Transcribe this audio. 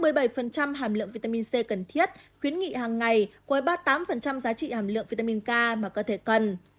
kiwi có ba mươi hàm lượng vitamin c cần thiết khuyến nghị hàng ngày với ba mươi tám giá trị hàm lượng vitamin k mà cơ thể cần